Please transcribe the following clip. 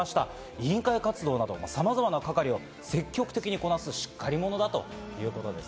委員会活動などさまざまな係を積極的にこなすしっかり者だということです。